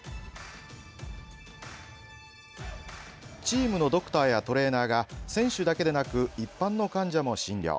チームのドクターやトレーナーが選手だけでなく一般の患者も診療。